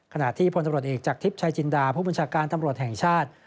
ขณะที่พลตำรวจเอกจากทิพย์ชายจินดาผู้บัญชาการตำรวจแห่งชาติ